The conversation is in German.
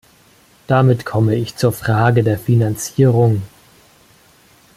Damit komme ich zur Frage der Finanzierung.